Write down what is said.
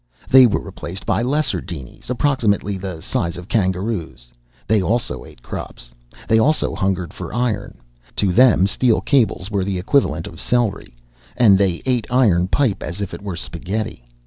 They were replaced by lesser dinies, approximately the size of kangaroos. They also ate crops. They also hungered for iron. To them steel cables were the equivalent of celery, and they ate iron pipe as if it were spaghetti.